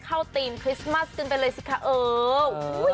ธีมคริสต์มัสกันไปเลยสิคะเออ